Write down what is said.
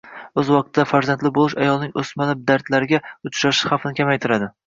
O‘z vaqtida farzandli bo‘lish ayolning o‘smali dardlarga uchrashi xavfini kamaytiradi.